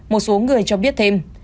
một số người cho biết thêm